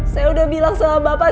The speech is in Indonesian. saya udah bilang sama bapak